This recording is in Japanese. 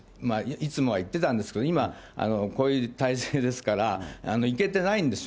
いつもは行ってたんですけど、今、こういう態勢ですから、行けてないんですよ。